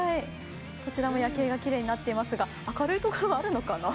こちらも夜景がきれいになっていますが明るい空あるのかなぁ。